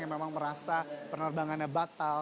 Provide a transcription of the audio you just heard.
yang memang merasa penerbangannya batal